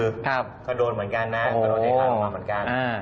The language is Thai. ก็โดนเหมือนกันนะก็โดนให้ฆ่าออกมาเหมือนกัน